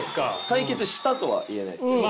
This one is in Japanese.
解決したとは言えないですけど。